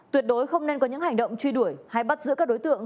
tuyệt đối không nên có những hành động truy đuổi hay bắt giữ các đối tượng